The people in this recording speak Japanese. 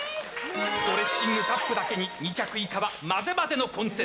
ドレッシングカップだけに２着以下は混ぜ混ぜの混戦。